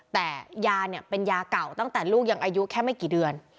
แต่ยาเนี่ยเป็นยาเก่าตั้งแต่ลูกยังอายุแค่ไม่กี่เดือน